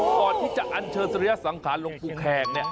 ก่อนที่จะอันเชิญสริยสังขารหลวงปู่แขกเนี่ย